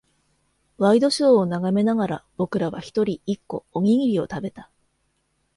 ワイドショーを眺めながら、僕らは一人、一個、おにぎりを食べた。